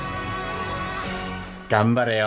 頑張れよ！